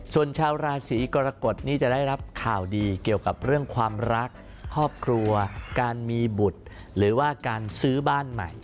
ส่วนชาวราศีกรกฎนี่จะได้รับข่าวดีเกี่ยวกับเรื่องความรักครอบครัวการมีบุตรหรือว่าการซื้อบ้านใหม่